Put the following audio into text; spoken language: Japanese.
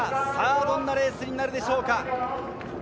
どんなレースなるでしょうか。